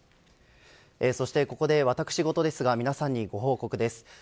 そしてここで私ごとですが皆さんにご報告です。